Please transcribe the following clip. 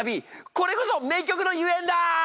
これこそ名曲のゆえんだ！